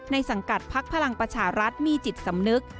สังกัดพักพลังประชารัฐมีจิตสำนึก